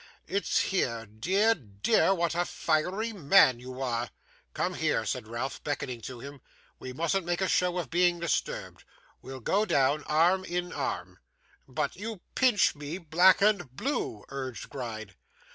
'It's here. Dear, dear, what a fiery man you are!' 'Come here,' said Ralph, beckoning to him. 'We mustn't make a show of being disturbed. We'll go down arm in arm.' 'But you pinch me black and blue,' urged Gride.